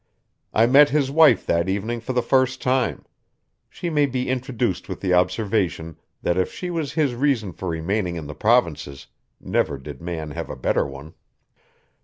I met his wife that evening for the first time; she may be introduced with the observation that if she was his reason for remaining in the provinces, never did man have a better one.